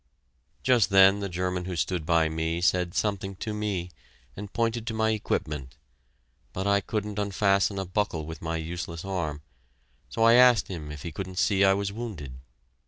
Just then the German who stood by me said something to me, and pointed to my equipment, but I couldn't unfasten a buckle with my useless arm, so I asked him if he couldn't see I was wounded.